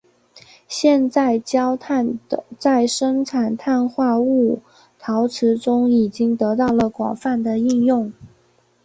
现在焦炭在生产碳化物陶瓷中已经得到了广泛的应用。